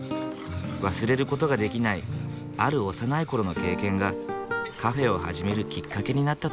忘れる事ができないある幼い頃の経験がカフェを始めるきっかけになったと言う。